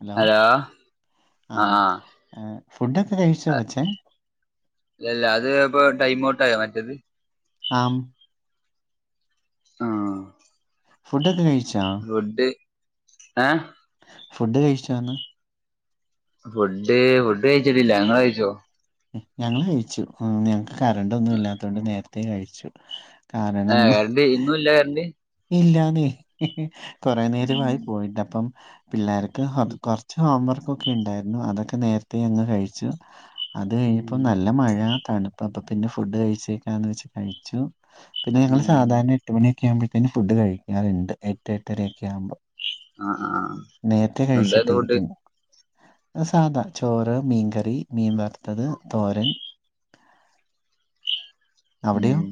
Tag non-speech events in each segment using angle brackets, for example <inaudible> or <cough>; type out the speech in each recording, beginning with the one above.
Hello ആ ആഹ് ഫുഡൊക്കെ കഴിച്ചോ കൊച്ചേ ഇല്ല അത് ഇപ്പൊ ടൈം ഔട്ടയാ മറ്റത് ആം ആഹ് ഫുഡ്ക്കെ കഴിച്ചാ ഫുഡ് ഏഹ് ഫുഡ് കഴിച്ചോന്ന് ഫുഡ് ഫുഡ് കഴിച്ചിട്ടില്ല നിങ്ങള് കഴിച്ചോ ഞങ്ങള് കഴിച്ചു ഞങ്ങക്ക് കറണ്ട് ഒന്നും ഇല്ലാത്ത കൊണ്ട് നേരത്തെ കഴിച്ചു കാരണം അപ്പ ഇന്നും ഇല്ല കരണ്ട് ഇല്ലന്ന് കൊറെ ഉം നേരമായി പോയിട്ടപ്പം പിള്ളേർക്ക് കൊറച്ച് ഹോംവർക്ക്ക്കെ ഉണ്ടായിരുന്നു അതൊക്കെ നേരത്തെ അങ്ങ് കഴിച്ചു അത് കഴിഞ്ഞപ്പോ ഉം നല്ല മഴ തണുപ്പ് അപ്പം പിന്നെ ഫുഡ് കഴിച്ചേക്കാന്ന് വെച്ച് കഴിച്ചു പിന്നെ ഞങ്ങള് ഉം സാധാരണ എട്ട് മണിയൊക്കെ ആവുമ്പഴത്തേന് ഫുഡ് കഴിക്കാറുണ്ട് എട്ട് എട്ടരയൊക്കെ ആകുമ്പം ആഹ് ആഹ് നേരത്തെ കഴിച്ചിട്ടാ എന്തായിരുന്നു ഫുഡ് ഇരിക്കുന്നെ സാധാ ചോറ് മീൻകറി മീൻ വറുത്തത് തോരൻ അവിടെയോ? ഉം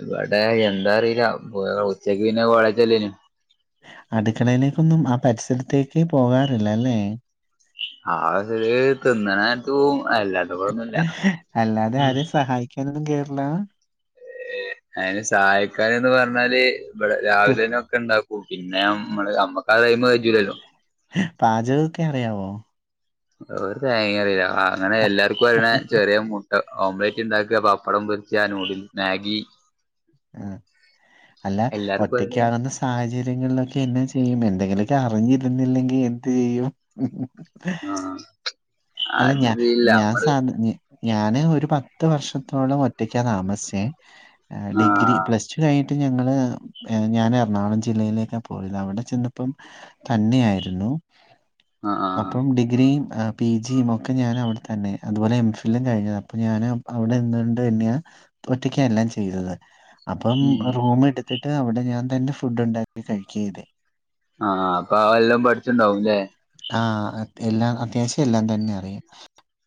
ഇവിടെ എന്താന്ന് അറിയില്ല പോ ഉച്ചക്ക് പിന്നെ കോളേജല്ലേനു അടുക്കടയിലേക്കൊന്നും ആഹ് പരിസരത്തേക്കേ പോകാറില്ല അല്ലേ ആഹ് തിന്നണ ദൂമ് അല്ല അല്ലാതെ ആരെയും സഹായിക്കാനൊന്നും കേറില്ല അയിന് സഹായിക്കാനെന്ന് പറഞ്ഞാല് ഇവിടെ കു രാവിലെന്നെ ഒക്കെ ഉണ്ടാക്കും പിന്നെ നമ്മള് നമ്മക്ക് അതേ പോലെ പറ്റില്ലല്ലോ പാചകമൊക്കെ അറിയാവോ ഒരു തേങ്ങയും അറിയില്ല അങ്ങനെ എല്ലാർക്കും അറിയണ ചെറിയ മു ഓംലറ്റ് ഉണ്ടാക്കുക പപ്പടം പൊരിച്ചുക നൂഡിൽസ് മാഗി ആഹ് അല്ല എല്ലാർക്കും അറിയണേ ഒറ്റക്കാകുന്ന സ് സാഹചര്യങ്ങളിലൊക്കെ എന്നാ ചെയ്യും എന്തെങ്കിലൊക്കെ അറിഞ്ഞിരുന്നില്ലെങ്കിൽ എന്ത് ചെയ്യും ആഹ് അല്ല ഞാൻ അതില്ല ഞാൻ നമ്മള് സാ ഞാന് ഒരു പത്ത് വർഷത്തോളം ഒറ്റക്കാ താമസിച്ചെ ഡിഗ്രി ആഹ് പ്ലസ് ടു കഴിഞ്ഞ് ട്ട് ഞങ്ങള് ഞാൻ എറണാകുളം ജില്ലയിലേക്കാ പോയത് അവിടെ ചെന്നപ്പം തന്നെയായിരുന്നു ആഹ് ആഹ് അപ്പം ഡിഗ്രീയും പി ജിയും ഒക്കെ ഞാൻ അവിടെ തന്നെയാ അതുപോലെ എം ഫില്ലും കഴിഞ്ഞത് അപ്പം ഞാൻ അവിടെ നിന്നുകൊണ്ട് തന്നെയാണ് ഒറ്റക്കാ എല്ലാം ചെയ്തത് അപ്പം ഉം റൂം എടുത്തിട്ട് അവിടെ ഞാൻ തന്നെ ഫുഡ് ഉണ്ടാക്കി കഴിക്കയാ ചെയ്തെ ആഹ് അപ്പം എല്ലാം പഠിച്ചിണ്ടാവും ഇല്ലേ ആഹ് എല്ലാം അത്യാവശ്യം എല്ലാം തന്നെ അറിയാം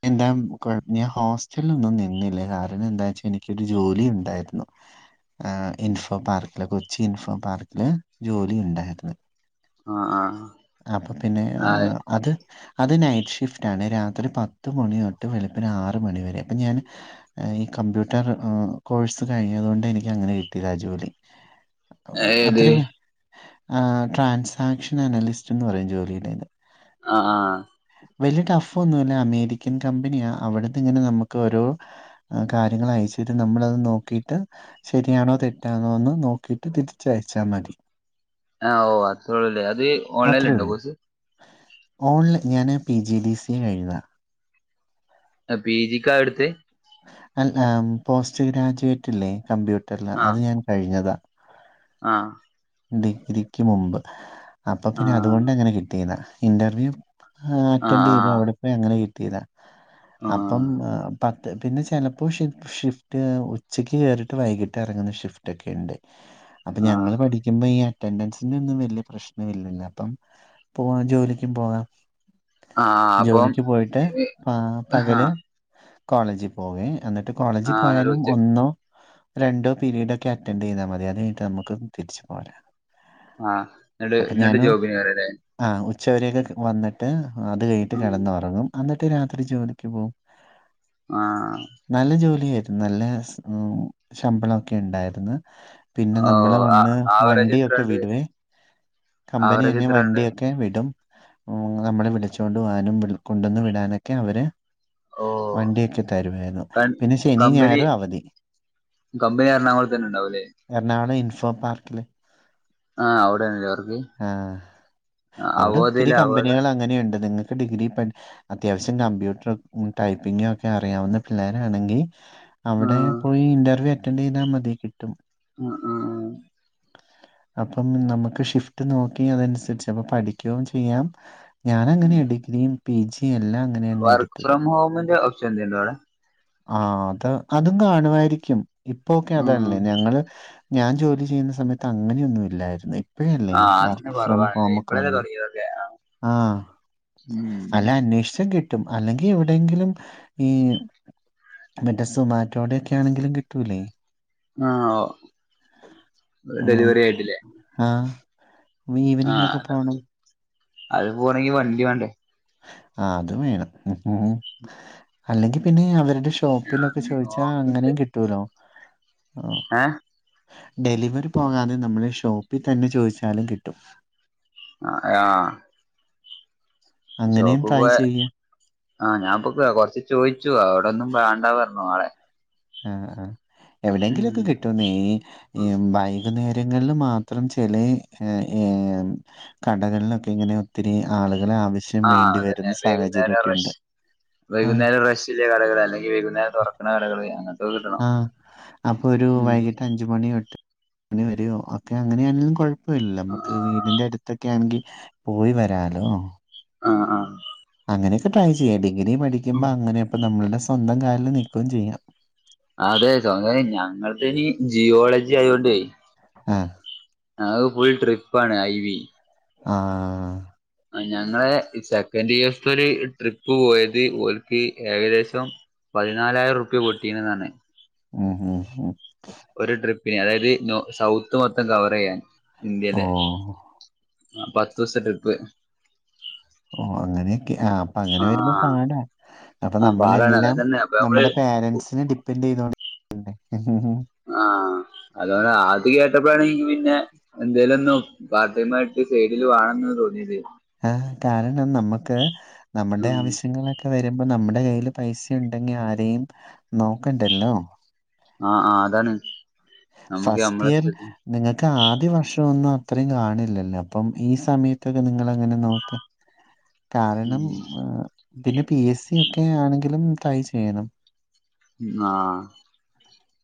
എന്താ കൊ ഞാൻ ഹോസ്റ്റലിലൊന്നും നിന്നില്ല കാരണം എന്താന്ന് വച്ചാ എനിക്കൊരു ജോലി ഉണ്ടായിരുന്നു ആഹ് ഇൻഫോ പാർക്കില് കൊച്ചി ഇൻഫോ പാർക്കില് ജോലി ഉണ്ടായിരുന്നു ആഹ് ആഹ് അപ്പൊ പിന്നെ ആഹ് അത് അത് നൈറ്റ് ഷിഫ്റ്റ് ആണേ രാത്രി പത്ത് മണി തൊട്ട് വെളുപ്പിന് ആറ് മണിവരെ അപ്പം ഞാൻ ഈ കമ്പ്യൂട്ടർ കോഴ്സ് കഴിഞ്ഞത് കൊണ്ട് എനിക്ക് അങ്ങനെ കിട്ടിയതാ ജോലി ഏത് അത്രയും ആഹ് ട്രാൻസാക്ഷൻ അനലിസ്റ്റ് എന്ന് പറയും ജോലിയുടേത് ആഹ് ആഹ് വലിയ ടഫ് ഒന്നുമില്ല അമേരിക്കൻ കമ്പനിയാ അവിടുന്ന് ഇങ്ങനെ നമുക്ക് ഒരു കാര്യങ്ങള് അയച്ചിട്ട് നമ്മളത് നോക്കിയിട്ട് ശരിയാണോ തെറ്റാണോ എന്ന് നോക്കീട്ട് തിരിച്ച് അയച്ചാ മതി ആഹ്, ഓ അത്ര ഉള്ളൂല്ലേ അത്. ഓൺലൈനിൽ ഉണ്ടോ കോഴ്‌സ്. ഓൺല് ഞാന് പി, ജി, ഡി, സി കഴിഞ്ഞതാ. ആഹ്, പി ജിക്കാ ട്ത്ത്? അൽ, അ പോസ്റ്റ് ഗ്രാജുവേറ്റ് ഇല്ലേ? കമ്പ്യൂട്ടറില് ആഹ് അത് ഞാൻ കഴിഞ്ഞതാ. ആഹ് ഡിഗ്രിക്ക് മുമ്പ്. അപ്പൊ പിന്നെ ആഹ് അതുകൊണ്ട് അങ്ങനെ കിട്ടിയത്. ഇന്റർവ്യൂ ആഹ്, അറ്റൻഡ ചെയ്തു. അവിടെ പ്പ അങ്ങനെ കിട്ടിതാ. ആഹ് അപ്പം അ പ പിന്നെ, ചെലപ്പോ. ഷി ഷിഫ്റ്റ് ഉച്ചക്ക് കയറിട്ട് വൈകിട്ട് എറങ്ങുന്ന ഷിഫ്റ്റ് ഒക്കെയുണ്ട്. അപ്പൊ, ആഹ് ആഹ് ഞങ്ങള് പഠി ഈ അറ്റൻസിന്റെ ഒന്നും വല്യ പ്രശ്നം ഇല്ലല്ലോ? അപ്പം പോവാം ജോലിക്കും പോവാം. ആഹ് അപ്പം ജോലിക്ക് പോയിട്ട് പ ആഹ് പകല്. കോളേജി പോവേ എന്നിട്ട് കോളേജിൽ ആഹ് എന്നിട്ട് പോയാലും ഉച്ച ഒന്നോ. രണ്ട്, പിരീടൊക്കെ അറ്റൻഡ യ്താ മതി. അത് കഴിഞ്ഞിട്ട് നമുക്ക് തിരിച്ചു പോരാ. ആഹ്, ഇന്നട് ഇന്നട് ജോബിന് കേറല്ലേ? ആഹ്, ഉച്ചവരെയൊക്കെ വന്നിട്ട് അത് കഴിഞ്ഞട്ട് കെടന്നുറങ്ങും. അന്നിട്ട് രാത്രി ജോലിക്ക് പോവും. ആഹ് നല്ല ജോലിയായിരുന്നു. നല്ല ഉം, ശമ്പളഒ ക്കെ ണ്ടായിരുന്നു. പിന്നെ, ഓ നമ്മള് വന്ന് ആവറേജ് വണ്ടിയൊക്കെ എത്രണ്ട് വിടുവേ? ആവറേജ് കമ്പനിയന്നെ എത്രണ്ട് വണ്ടി... ക്കെ വിടും. നമ്മളെ വിളിച്ചൊണ്ട് പോകാനും കൊണ്ടന്ന് വിടാനൊക്കെ അവര്. ഓ വണ്ടിയൊക്കെ തരുവായിരുന്നു. പിന്നെ ശനി, കമ്പനി ഞായറും അവധി. കമ്പനി എറണാംകുളത്തന്നെ ണ്ടാവും ല്ലേ? എറണാകുളം ഇൻഫോ പാർക്കില്.. ആഹ്, അവിടെണല്ലേ? വർക്ക്. ആഹ്, അവിടെ ഒത്തിരി അവോധയില അവോധ കമ്പനികൾ അങ്ങനെയുണ്ട്. നിങ്ങൾ ഒക്കെ ഡിഗ്രിപടി അത്യാവശ്യം കമ്പ്യൂട്ടർ ടൈപ്പിങ്ങക്കെ അറിയാവുന്ന പിള്ളേരാണെങ്കി. അവിടെ ആഹ് പോയി ഇന്റർവ്യൂ അറ്റൻഡ്യ്താൽ മതി. കിട്ടും. ഉം, ഉം, ഉം. അപ്പം നമുക്ക് ഷിഫ്റ്റ് നോക്കി അതനുസരിച്ച് അപ്പ പഠിക്കുവയും ചെയ്യാം? ഞാനങ്ങനയ ഡിഗ്രിയും, പി ജിയും, എല്ലാം അങ്ങനെയന്നയ വർക്ക് എടുത്തത്. ഫ്രം ഹോമിന്റെ ഓപ്ഷൻ എന്തേണ്ടോ അവിടെ ആഹ്, അത് അതും കാണുവായിരിക്കും. ഇപ്പൊക്കെ അതല്ലേ? ഞങ്ങള്. ഞാൻ ജോലി ചെയ്യുന്ന സമയത്ത് അങ്ങനെയൊന്നും ഇല്ലായിരുന്നേ. ഇപ്പഴല്ലേ? ആഹ് അന്ന് വർക്ക് ഫ്രം കുറവാണല്ലേ ഹോമക്കെ ഇപ്പഴല്ലേ വന്നേ? തുടങ്ങിയതൊക്കെ ആഹ്, ഉം അല്ല, അന്വേഷിച്ച കിട്ടും. അല്ലെങ്കിൽ എവിടെയെങ്കിലും ഈ. മറ്റെ, സുമാറ്റോയുടെക്കെയാ ണെങ്കിലും കിട്ടൂലേ? ആഹ്, ഓഹ് ഉം, ആഹ്, വീവനിംങൊക്കെ ആഹ് പോണം. അത് പോണങ്കി വണ്ടി വാണ്ടേ? ആഹ്, അതും വേണം. അല്ലെങ്കിൽ പിന്നെ അവരുടെ ശോ ഷോപ്പിലൊക്കെ ചോദിച്ചാ നോക്കണ്ട് അങ്ങനെയും കിട്ടൂലോ? ആഹ്, ഏഹ് ഡെലിവറി പോകാതെ നമ്മള് ഷോപ്പി തന്നെ ചോദിച്ചാലും കിട്ടും. ആഹ്, ആഹ് അങ്ങനെയും ഷോപ്പ് ട്രൈ പോയ ചെയ്യാം ആഹ്, ഞാൻ പൊ കൊറച്ച് ചോയിച്ചു അവിടൊന്നും വേണ്ടാ പറഞ്ഞു. ആളെ ആഹ്, ആഹ് ഉം എവിടെങ്കിലൊക്കെ കിട്ടും. ന്നേ, വൈകുന്നേരങ്ങളിൽ മാത്രം ചെലേ ഏ കടകളിലൊക്കെ ഇങ്ങനെ ഒത്തിരി ആളുകളെ ആവശ്യം. ആഹ്, വേണ്ടി അതന്നെ. വരുന്ന വൈകുന്നേരം സാഹചര്യൊക്കെയുണ്ട് റഷ് ആഹ് വൈകുന്നേരം റഷ് ചില കടകൾ അല്ലെങ്കി, വൈകുന്നേരം തുറക്കണ കടകൾ അങ്ങനെ. ആഹ്, അപ്പൊ ഒരു വൈകിട്ട് അഞ്ച്. അഞ്ചു മണി തൊട്ട് അഞ്ചു മണി വരേ ഒക്കെ അങ്ങനെയാണെങ്കിലും കുഴപ്പവില്ല, നമുക്ക് ആഹ് വീടിന്റെ അടുത്ത്. തൊക്കെ ആണെങ്കി, പോയി വരാലോ? ആഹ് ആഹ് അങ്ങനെയൊക്കെ ട്രൈ ചെയ്യാം ഡിഗ്രി പഠിക്കുമ്പ അങ്ങനെ അപ്പൊ നമ്മളുടെ സ്വന്തം കാലിൽ നിൽക്കും ചെയ്യാം അതെ <unintelligible> ഞങ്ങളതിനി ജിയോളജി ആയോണ്ട ആഹ് അത് ഫുൾ ട്രിപ്പാണ് ഐ വി ആഹ് ഞങ്ങളെ സെക്കൻഡ്യേർസ് ട്രിപ്പ് പോയത് ഓല്ക്ക് ഏകദേശം പതിനാലായിരം റുപ്യ പൊട്ടീനെന്നാറഞ്ഞേ ഉം ഉം ഉം ഒരു ട്രിപ്പിന് അതായത് സൗത്ത് മൊത്തം കവറെയ്യാൻ ഇന്ത്യന്റെ ഓഹ് ആഹ് പത്ത് ദിവസ ട്രിപ്പ്. ഓ അങ്ങനെയൊക്കയാ അപ്പൊ അങ്ങനെ വരുമ്പോ ആഹ് പാടാ. അപ്പൊ ആഹ് പാടാണ് അത് നമ്മളെല്ലാം തന്നെ അപ്പൊ നമ്മള് നമ്മുടെ പേരന്റ്സിനെ ഡിപ്പെന്റ് ചെയ്തോണ്ട് <unintelligible> ആഹ് അതോണ്ട് അത് കേട്ടപ്പോഴാണ് എങ്കി പിന്നെ എന്തേലുമൊന്നു പാർടൈമായിട്ട് സൈഡിൽ വേണംന്ന് തോന്നിയത് ആഹ് കാരണം നമ്മുക്ക് നമ്മുടെ ഉം ആവശ്യങ്ങളൊക്കെ വരുമ്പോ നമ്മുടെ കയ്യിലും പൈസ ഉണ്ടെങ്കി ആരെയും നോക്കണ്ടല്ലോ ആഹ് ആഹ് അതാണ് നമുക്ക് നമ്മളെ ഫസ്റ്റിയൽ ഇഷ്ടത്തിന് നിങ്ങൾക്ക് ആദ്യ വർഷം ഒന്നും അത്രയും കാണില്ലല്ലോ അപ്പം ഈ സമയത്തൊക്കെ നിങ്ങളെങ്ങനെ നോക്ക് കാരണം പിന്നെ പി എസ് സി ഒക്കെ ആണെങ്കിലും ട്രൈ ചെയ്യണം ആഹ്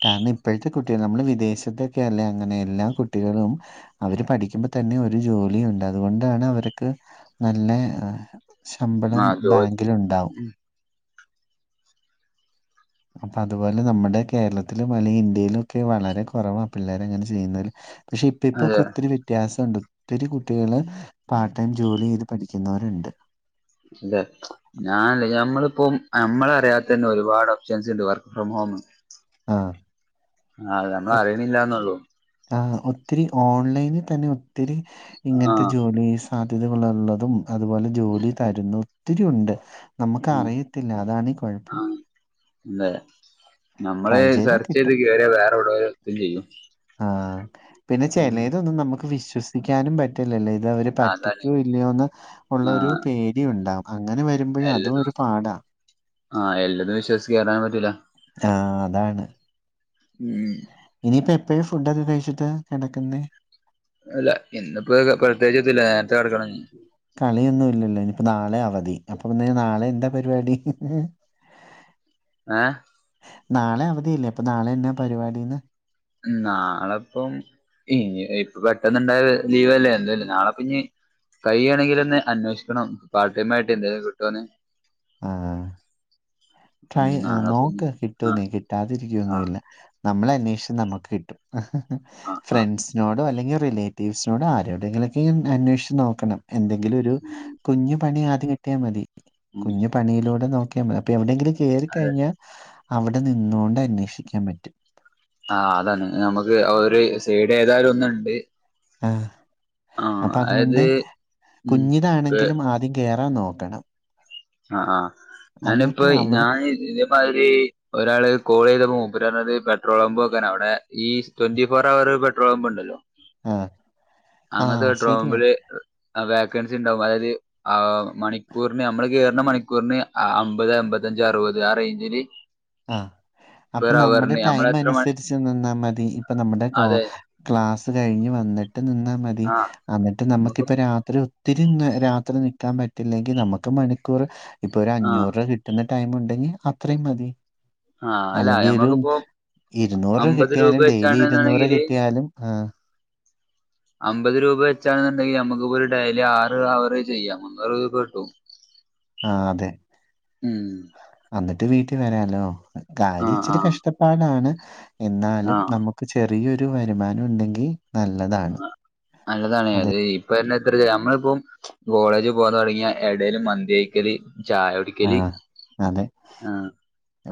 കാരണം ഇപ്പോഴത്തെ കുട്ടികൾ നമ്മള് വിദേശത്തൊക്കെ അല്ലേ അങ്ങനെ എല്ലാ കുട്ടികളും. അവര് പഠിക്കുമ്പ തന്നെ ഒരു ജോലിയുണ്ട് അതുകൊണ്ടാണ് അവർക്ക് നല്ല ശമ്പളം ആഹ് ജോ ബാങ്കിലുണ്ടാവും. അപ്പൊ അതുപോലെ നമ്മുടെ കേരളത്തിലും അല്ലെങ്കിൽ ഇന്ത്യയിലും ഒക്കെ വളരെ കുറവാ പിള്ളേര് അങ്ങനെ ചെയ്യുന്നതിൽ പക്ഷെ ഇപ്പ ഇപ്പൊ അതെ ഒക്കെ ഒത്തിരി വ്യത്യാസൊണ്ട് ഒത്തിരി കുട്ടികള് പാർട്ട് ടൈം ജോലി ചെയ്ത് പഠിക്കുന്നവരുണ്ട്. <unintelligible> ഞാൻ ഞമ്മളിപ്പം നമ്മളറിയാത്ത തന്നെ ഒരുപാട് ഓപ്ഷൻസ് ഉണ്ട് വർക്ക് ഫ്രം ഹോം. ആഹ് ആഹ് നമ്മൾ അറിയണില്ലാന്നൊള്ളൂ. ആഹ് ഒത്തിരി ഓൺലൈനിൽ തന്നെ ഒത്തിരി ഇങ്ങനത്തെ ആഹ് ജോലീസ് സാധ്യതകളുള്ളതും അതുപോലെ ജോലി തരുന്നും ഒത്തിരിയുണ്ട്. നമുക്ക് അറിയത്തില്ല അതാണീ കുഴപ്പം. അല്ലെ നമ്മള് ട്രൈ ചെയ്താ സെർച്ച് ചെയ്ത് കിട്ടും. കേറിയാ വേറുള്ളവര് എന്തു ചെയ്യും ആഹ് പിന്നെ ഉം ചെലെതൊന്നും നമുക്ക് വിശ്വസിക്കാനും പ റ്റില്ലല്ലേ ഇതവര് അതാണ് പറ്റിക്കോ ഇല്ലയോന്ന് ഒള്ള ഒരു ആഹ് പേടി ഉണ്ടാവാം അങ്ങനെ മ്പഴും അത് എല്ലതും ഒരു പാടാ ആഹ് എല്ലതും വിശ്വസിക്കറാൻ പറ്റൂല ആഹ് ഉം. ഇനിയിപ്പ എപ്പോഴാ ഫുഡ് ഒക്കെ കഴിച്ചിട്ട് കെടക്കുന്നേ അല്ല ഇന്നിപ്പോ പ്രത്യേകിച്ചൊന്നുല്ല നേരത്തെ കെടക്കണം ഇനി കളിയൊന്നും ഇല്ലല്ലോ ഇനിപ്പോ നാളെ അവധി അപ്പൊ പിന്നെ നാളെ എന്താ പരിപാടി <unintelligible> ഏഹ് നാളെ അവധിയല്ലേ അപ്പൊ നാളെ എന്നാ പരിപാടിന്ന് നാളെപ്പം ഇ ഇപ്പ പെട്ടെന്ന്ണ്ടായ ലീവല്ലേ നാളെപ്പിനി കയിണങ്കിലൊന്ന് അന്വേഷിക്കണം പാർട്ട് ടൈം ആയിട്ട് എന്തെങ്കിലും കിട്ടോന്ന് ആഹ് ട്രൈ ഉം നാളെപ്പ ഇനി നോക്ക് ആഹ് കിട്ടോന്ന് ആഹ് കിട്ടാതിരിക്കുവൊന്നുല്ല നമ്മള് അന്വേഷിച്ച് നമുക്ക് കിട്ടും. ആഹ് ആഹ് ഫ്രണ്ട്സിനോടോ അല്ലെങ്കിൽ റിലേറ്റ് റ്റീവ്സിനോട് ആരോടെങ്കിലൊക്കെ അന്വേഷിച്ച് നോക്കണം. എന്തെങ്കിലും ഒരു കുഞ്ഞു പണി ആദ്യം കി കിട്ടിയ മതി ഉം കുഞ്ഞു പണിയിലൂടെ നോക്കിയാൽ മതി. അപ്പൊ എവിടെയെങ്കിലും അതെ കേറിക്കഴിഞ്ഞാ അവിടെ നിന്നുകൊണ്ട് അന്വേഷിക്കാൻ പറ്റും. ആഹ് അതാണ്. നമുക്ക് ഒരു സീഡ് ഏതാലും ഒന്നുണ്ട്. ആഹ് ആഹ് അപ്പൊ അതുകൊണ്ട് അതായത് ഉം കുഞ്ഞിതാണെങ്കിലും ആദ്യം കേറാൻ നോക്കണം. ആഹ് ആഹ് എന്നിട്ട് ഞാനിപ്പ അവിടെ ഞാൻ ഇതേമാരി ഒരാള് കോൾ ചെയ്തപ്പോ മൂപ്പര് പറഞ്ഞത് പെട്രോൾ പമ്പ് നിക്കാന്. അവിടെ ഈ ട്വന്റി ഫോർ അവർ പെട്രോൾ പമ്പുണ്ടല്ലോ? ആഹ്! അങ്ങനത്തെ പെട്രോമ്പില് വേക്കൻസി ഉണ്ടാവും അതായത് ആഹ് മണിക്കൂറിന് നമ്മള് കേറുന്ന മണിക്കൂറിന് അമ്പത് അമ്പത്തഞ്ച് അറുപത് ആ റേഞ്ചില് ആഹ് അപ്പൊ പെർ നമ്മുടെ അവറിന് നമ്മള് ടൈം എത്ര മണി അനുസരിച്ച്ന്നാ മതി ഇപ്പൊ നമ്മുടെ കോ അതെ ക്ലാസ് കഴിഞ്ഞ് വന്നിട്ട് നിന്നാ മതി ആഹ് എന്നിട്ട് നമുക്ക് നമുക്കിപ്പരാ ഒത്തിരി ന്ന് രാത്രി നി ൽക്കാൻ പറ്റില്ലെങ്കിൽ നമുക്ക് മണിക്കൂർ ഇപ്പൊ ഒരു ആഹ് അഞ്ഞൂറ് കി കിട്ടുന്ന ടൈം ഉണ്ടെങ്കിൽ അത്രയും മതി ആഹ് അല്ല നമ്മക്കിപ്പോ ഇരുന്നൂറ് അമ്പത് രൂപ കിട്ടിയാലും ഡെയിലി ഇരുന്നൂറ് വെച്ചാണെന്നുണ്ടെങ്കില് കിട്ടിയാലും ആഹ് അമ്പത് രൂപ വെച്ചാണെന്നുണ്ടെങ്കിൽ നമുക്ക് പോയി ഡെയിലി ആറ് അവറ് ചെയ്യാം. മുന്നൂറ് രൂപ കിട്ടും. ആഹ് അതെ ഉം അന്നിട്ട് വീട്ടിൽ വരാലോ കാര്യ ആഹ് ഇച്ചിരി ആഹ് കഷ്ടപ്പാടാണ് എന്നാലും ആഹ് നമുക്ക് ചെറിയൊരു വരുമാനം ഉണ്ടെങ്കിൽ നല്ലതാണ്. നല്ലതാണ് അതെ. അത് ഇപ്പെ ഇത്ര നമ്മളിപ്പം കോളേജ് പോകൻ തുടങ്ങിയ ഇടേല് മന്തിയയിക്കല് ചായുടി ആഹ് അതെ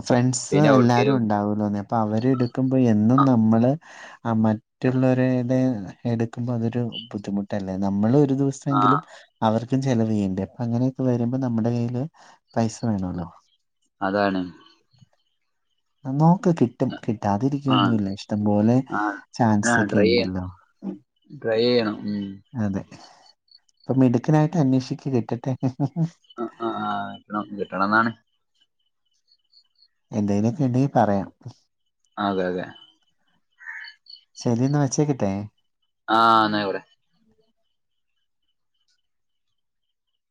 ഫ്രണ്ട്സ് പിന്നെ എല്ലാരും എവിടക്കേലും ഉണ്ടാവന്നോന്നി അപ് അപ്പ അവര് എടുക്കുമ്പോ എന്നും ആ നമ്മള് ആഹ് മറ്റുള്ളവരുടെ എടുക്കുമ്പോ അതൊരു ബുദ്ധിമുട്ടല്ലേ നമ്മൾ ഒ ഒരു ആ ദിവസങ്കിലും അവർക്കും ചെലവയ്യണ്ടേ അപ്പൊ അങ്ങനെയൊക്കെ വരുമ്പോ നമ്മട കയ്യില് പൈസ വേണല്ലോ അതാണ് നോക്ക് കിട്ടും ആ കിട്ടാതിരിക്കൊന്നുല്ല ഇഷ്ടംപോലെ ആ ചാൻസ് ഒക്കെ ഉണ്ടല്ലോ ഡ്രൈ ചെയ്യണം ഉം അതെ ഇപ്പ മിടുക്കിനായിട്ട് അന്വേഷിക്ക കിട്ടട്ടെ ആഹ് ആഹ് ഒക്കെ കിട്ടണം കിട്ടണംന്നാണ് എന്തേലക്യ ഉണ്ടെങ്കിൽ പറയാം അതെ അതെ ശരി ന്നാ വെച്ചേക്കട്ടെ ആഹ് ന്നായിക്കോട്ടേ